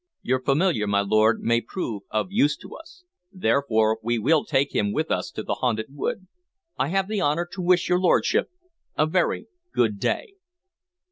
Your familiar, my lord, may prove of use to us; therefore we will take him with us to the haunted wood. I have the honor to wish your lordship a very good day."